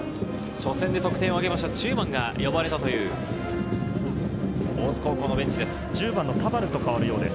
初戦で得点をあげました、中馬が呼ばれたという大津高校のベンチです。